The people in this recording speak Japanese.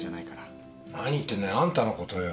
何言ってんのよ。あんたのことよ。